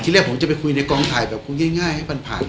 แรกผมจะไปคุยในกองถ่ายแบบคุยง่ายให้ผ่าน